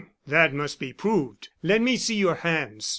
that must be proved. Let me see your hands."